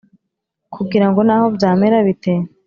kugira ngo naho byamera bite